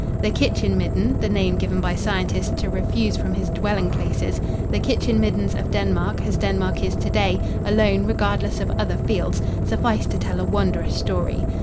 The kitchen midden the name given by scientists to refuse from his dwelling places the kitchen middens of Denmark, as Denmark is to day, alone, regardless of other fields, suffice to tell a wondrous story.